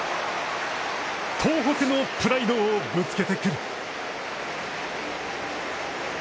東北のプライドをぶつけてくる。